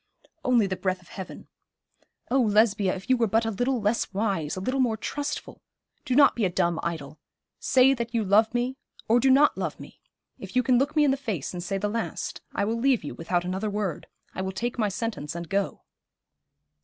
'Only the breath of heaven. Oh, Lesbia, if you were but a little less wise, a little more trustful. Do not be a dumb idol. Say that you love me, or do not love me. If you can look me in the face and say the last, I will leave you without another word. I will take my sentence and go.'